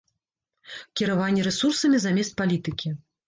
Кіраванне рэсурсамі замест палітыкі.